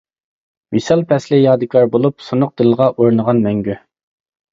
ۋىسال پەسلى يادىكار بولۇپ، سۇنۇق دىلغا ئورنىغان مەڭگۈ.